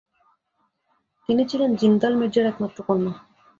তিনি ছিলেন জিন্দাল মির্জার একমাত্র কন্যা।